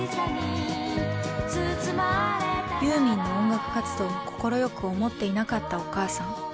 ユーミンの音楽活動を快く思っていなかったお母さん。